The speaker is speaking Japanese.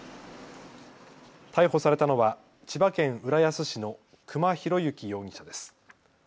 逮捕されたのは千葉県浦安市の久間博之容疑者です。